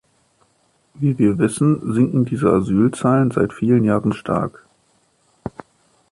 Wie wir wissen, sinken diese Asylzahlen seit vielen Jahren stark.